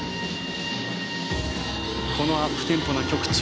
このアップテンポな曲調